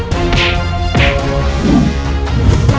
baik ayah ayah